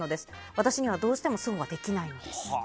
私にはどうしてもそうはできないのです。